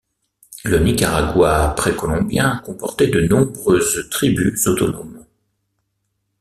Le Nicaragua pré-colombien comportait de nombreuses tribus autonomes.